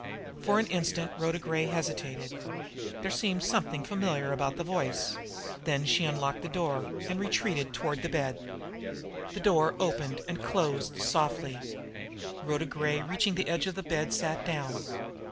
For an instant Rhoda Gray hesitated there seemed something familiar about the voice then she unlocked the door, and retreated toward the bed. The door opened and closed softly. Rhoda Gray, reaching the edge of the bed, sat down.